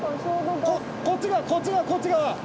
こっち側こっち側こっち側！